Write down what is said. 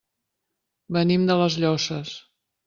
Venim de les Llosses.